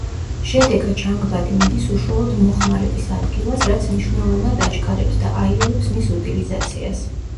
შედეგად ჟანგბადი მიდის უშუალოდ მოხმარების ადგილას, რაც მნიშვნელოვნად აჩქარებს და აიოლებს მის უტილიზაციას.